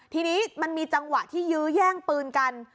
ทีนี้มันมีจังหวะที่ยื้อแย่งปืนกัน